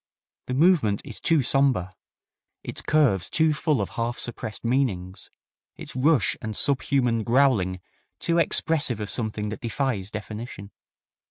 The movement is too sombre, its curves too full of half suppressed meanings, its rush and sub human growling too expressive of something that defies definition.